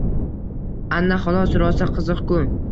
— Ana xolos! Rosa qiziq-ku!